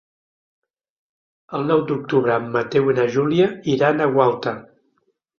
El nou d'octubre en Mateu i na Júlia iran a Gualta.